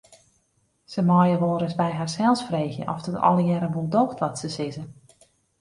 Se meie wolris by harsels freegje oft it allegearre wol doocht wat se sizze.